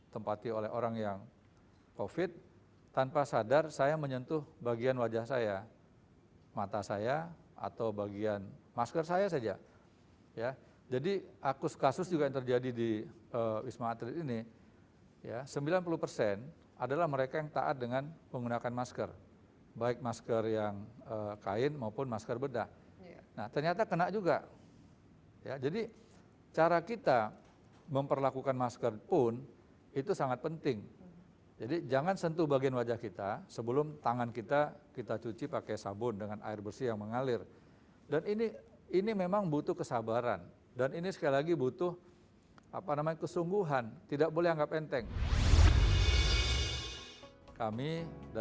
tapi lima yang cukup tinggi merasa tidak akan kena covid